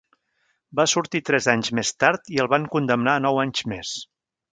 Va sortir tres anys més tard i el van condemnar a nou anys més.